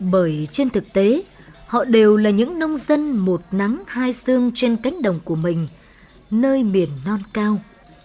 bởi trên thực tế họ đều là những nông dân một nắng hai xương trên cánh đồng của mình nơi miền non cao